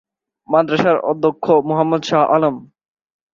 মাদ্রাসার অধ্যক্ষ মোহাম্মদ শাহ আলম।